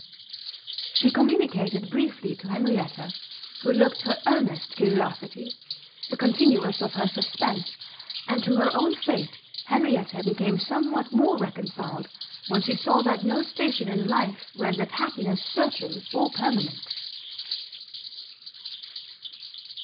She communicated briefly to Henrietta, who looked her earnest curiosity, the continuance of her suspense; and to her own fate Henrietta became somewhat more reconciled, when she saw that no station in life rendered happiness certain or permanent.